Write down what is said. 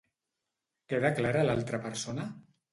Què declara l'altra persona?